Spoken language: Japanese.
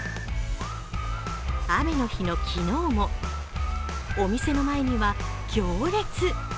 雨の日の昨日もお店の前には行列。